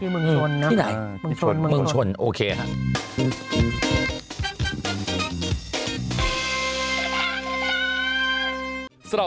ที่เมืองชนนะ